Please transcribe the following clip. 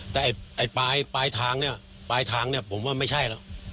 แต่ปลายทางเนี่ยปลายทางผมว่าไม่ใช่แล้ว